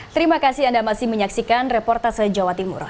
terima kasih anda masih menyaksikan reportase jawa timur